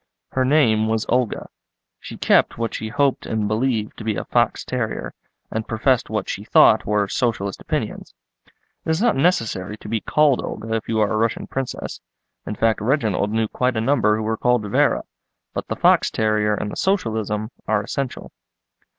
Her name was Olga; she kept what she hoped and believed to be a fox terrier, and professed what she thought were Socialist opinions. It is not necessary to be called Olga if you are a Russian Princess; in fact, Reginald knew quite a number who were called Vera; but the fox terrier and the Socialism are essential.